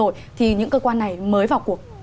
rồi thì những cơ quan này mới vào cuộc